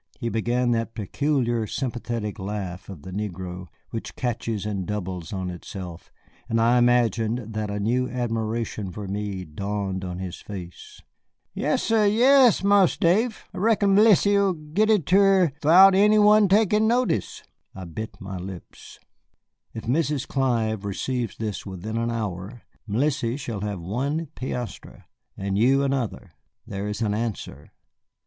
He began that peculiar, sympathetic laugh of the negro, which catches and doubles on itself, and I imagined that a new admiration for me dawned on his face. "Yass'r, yass, Marse Dave, I reckon M'lisse 'll git it to her 'thout any one tekin' notice." I bit my lips. "If Mrs. Clive receives this within an hour, Mélisse shall have one piastre, and you another. There is an answer."